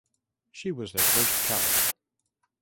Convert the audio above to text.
She was their first child.